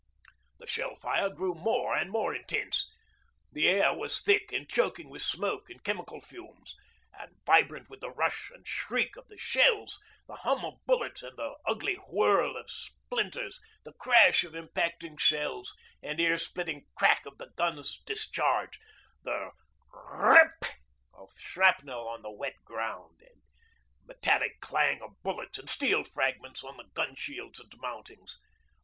The shell fire grew more and more intense. The air was thick and choking with smoke and chemical fumes, and vibrant with the rush and shriek, of the shells, the hum of bullets, and the ugly whirr of splinters, the crash of impacting shells, and ear splitting crack of the guns' discharge, the 'r r rupp' of shrapnel on the wet ground, the metallic clang of bullets and steel fragments on the gun shields and mountings.